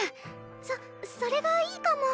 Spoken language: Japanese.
そそれがいいかも！